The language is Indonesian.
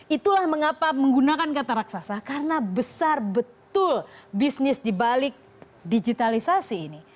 itulah mengapa menggunakan kata raksasa karena besar betul bisnis dibalik digitalisasi ini